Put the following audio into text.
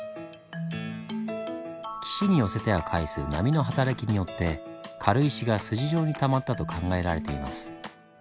岸に寄せては返す波の働きによって軽石が筋状にたまったと考えられています。